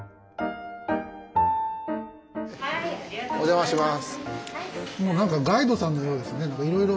お邪魔します。